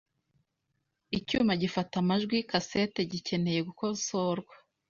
Icyuma gifata amajwi cassette gikeneye gukosorwa .